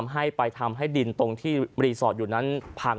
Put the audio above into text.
ให้ไปทำให้ดินตรงที่รีสอร์ทอยู่นั้นพัง